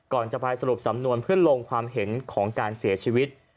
ก่อนจะไปสรุปสำนวนเพื่อลงความเห็นของการเสียชีวิต